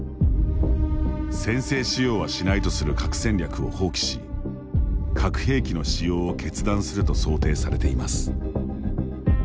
先制使用はしないとする核戦略を放棄し核兵器の使用を決断すると想定されています。